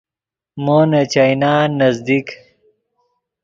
مو نے چائینان نزدیک